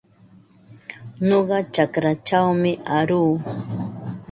Nuqa chakraćhawmi aruu.